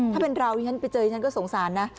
ถ้าเป็นเราอย่างนั้นไปเจออย่างนั้นก็สงสารนะ